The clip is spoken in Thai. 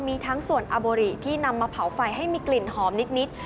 มีทั้งส่วนอโบริที่นำมาเผาไฟให้มีกลิ่นหอมนิด